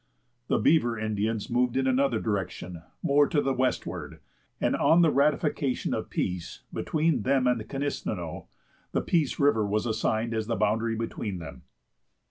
The Beaver Indians moved in another direction, more to the westward, and on the ratification of peace between them and the Knisteneux, the Peace River was assigned as the boundary between them.